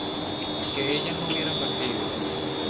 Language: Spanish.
que ellas no hubieran partido